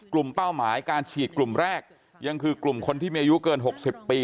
เป้าหมายการฉีดกลุ่มแรกยังคือกลุ่มคนที่มีอายุเกิน๖๐ปี